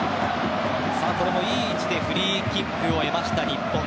これも、いい位置でフリーキックを得た日本。